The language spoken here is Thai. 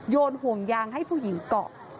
ห่วงยางให้ผู้หญิงเกาะ